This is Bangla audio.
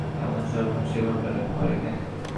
ভগবান, আমার পাপের প্রায়শ্চিত্ত এমন সর্বনেশে ঘটা করে কেন!